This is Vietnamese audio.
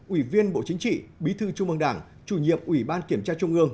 ủy viên bộ chính trị bí thư trung mương đảng chủ nhiệm ủy ban kiểm tra trung ương